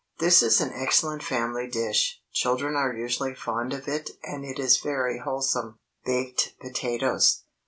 This is an excellent family dish. Children are usually fond of it and it is very wholesome. BAKED POTATOES.